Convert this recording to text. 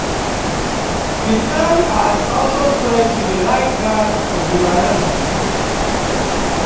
The town has also spread to the right bank of the Marne.